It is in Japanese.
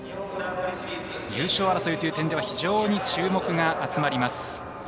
優勝争いという点では非常に注目が集まります。